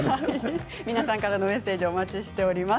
皆さんからのメッセージお待ちしてます。